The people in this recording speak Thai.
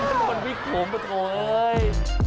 ไม่ใช่มันไม่คุ้มป่ะโถย